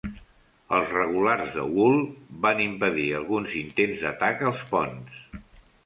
Els regulars de Wool van impedir alguns intents d'atac als ponts.